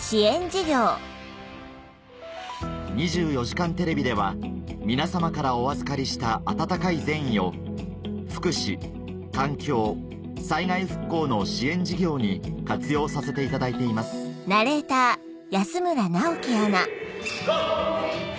『２４時間テレビ』では皆様からお預かりした温かい善意を福祉環境災害復興の支援事業に活用させていただいていますレディーゴー！